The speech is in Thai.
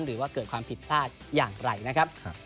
หรือว่าเกิดความผิดพลาดอย่างไรนะครับ